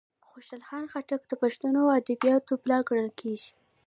خوشال خټک د پښتو ادبیاتوپلار کڼل کیږي.